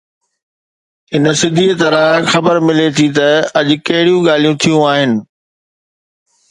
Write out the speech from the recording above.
اڻ سڌي طرح خبر ملي ٿي ته اڄ ڪهڙيون ڳالهيون ٿيون آهن.